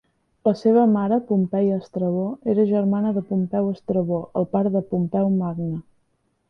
La seva mare, Pompeia Estrabó, era germana de Pompeu Estrabó, el pare de Pompeu Magne.